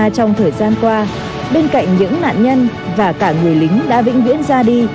cảm ơn các em